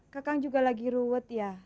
kakak juga lagi ruwet ya